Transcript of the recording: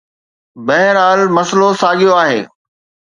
بهرحال، مسئلو ساڳيو آهي.